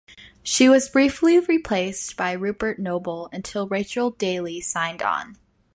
She was briefly replaced by Rupert Noble until Rachel Dalley signed on.